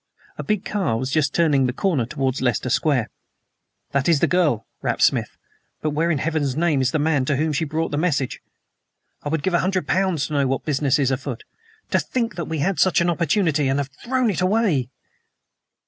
A big car was just turning the corner towards Leicester Square. "That is the girl," rapped Smith; "but where in Heaven's name is the man to whom she brought the message? I would give a hundred pounds to know what business is afoot. To think that we have had such an opportunity and have thrown it away!"